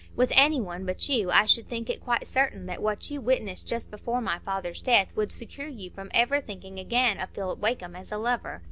With any one but you, I should think it quite certain that what you witnessed just before my father's death would secure you from ever thinking again of Philip Wakem as a lover.